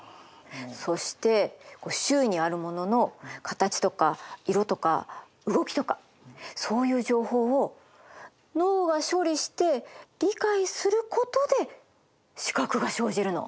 そして周囲にあるものの形とか色とか動きとかそういう情報を脳が処理して理解することで視覚が生じるの。